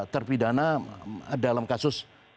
terpidana dalam kasus